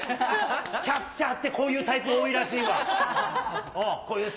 キャッチャーってこういうタイプ多いらしいわ。